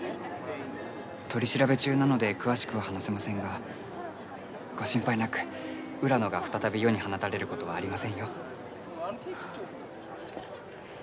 取り調べ中なので詳しくは話せませんがご心配なく浦野が再び世に放たれることはありませんよ